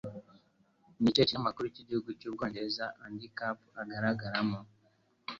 Ni ikihe kinyamakuru cy'igihugu cy'Ubwongereza Andy Capp agaragara mo?